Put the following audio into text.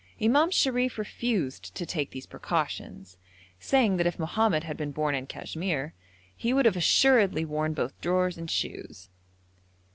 Imam Sharif refused to take these precautions, saying that if Mohammed had been born in Cashmere he would have assuredly worn both drawers and shoes.